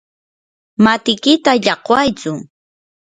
matikita llaqwaytsu.